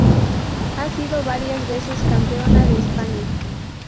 Ha sido varias veces campeona de España.